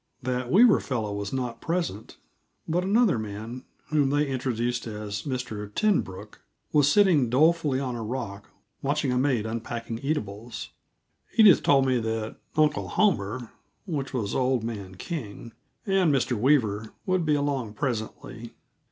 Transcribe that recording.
That Weaver fellow was not present, but another man, whom they introduced as Mr. Tenbrooke, was sitting dolefully on a rock, watching a maid unpacking eatables. Edith told me that "Uncle Homer" which was old man King and Mr. Weaver would be along presently.